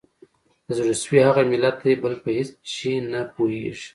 د زړه سوي هغه ملت دی بل په هیڅ چي نه پوهیږي